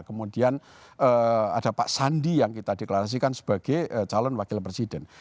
kemudian ada pak sandi yang kita deklarasikan sebagai calon wakil presiden